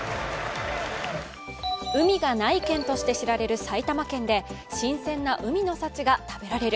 海がない県として知られる埼玉県で新鮮な海の幸が食べられる。